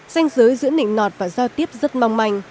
danh giới giữa nịnh nọt và giao tiếp rất mong manh